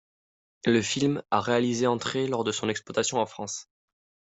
Le film a réalisé entrées lors de son exploitation en France.